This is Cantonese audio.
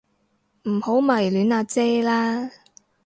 唔好迷戀阿姐啦